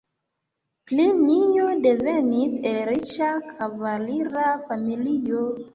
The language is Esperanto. Plinio devenis el riĉa kavalira familio.